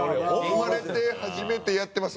「生まれて初めてやってます」。